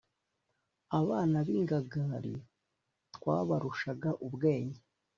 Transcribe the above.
abana b’ingagali twabarushaga ubwenge